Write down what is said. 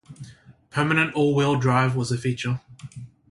Permanent all-wheel-drive was a feature.